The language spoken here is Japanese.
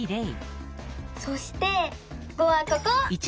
そして「５」はここ！